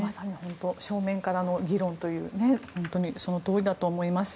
正面からの議論というその通りだと思います。